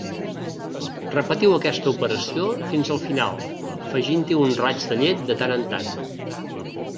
Repetiu aquesta operació fins al final, afegint-hi un raig de llet de tant en tant.